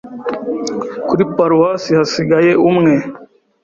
kuri paruwasi hasigaye umwe